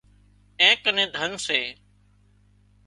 اين ڪنين ڌنَ سي